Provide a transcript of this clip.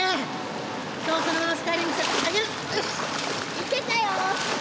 いけたよ！